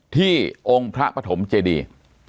ที่องค์พระปฐมเจดีย์